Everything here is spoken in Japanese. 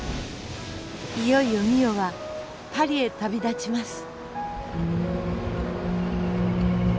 いよいよ美世はパリへ旅立ちます。